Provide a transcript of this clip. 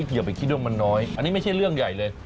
อย่าไปคิดว่ามันน้อยอันนี้ไม่ใช่เรื่องใหญ่เลย